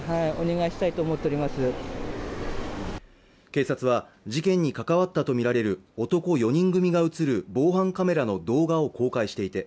警察は事件に関わったとみられる男４人組が映る防犯カメラの動画を公開していて